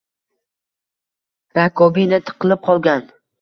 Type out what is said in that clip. Rakovina tiqilib qolgan